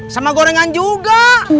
sama gorengan juga